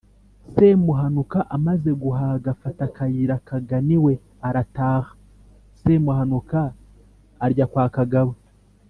Semuhanuka amaze guhaga afata akayira kagana iwe arataha. Semuhanuka arya kwa Kagabo